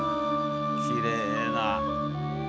きれいな。